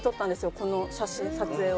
この写真撮影を。